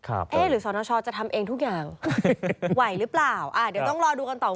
แฮะหรือสตชจะทำเองทุกอย่าง